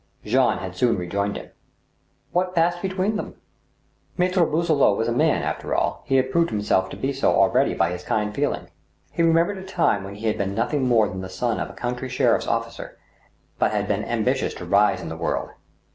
Jean had soon rejoined him. What passed between them ? Maltre Boisselot was a man, after all ; he had proved himself to be so already by his kind feeling. He remembered a time when he had been nothing more than the son of a country sheriff's officer, but had been ambitious to rise in the world.